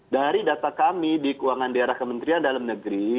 dari data kami di keuangan daerah kementerian dalam negeri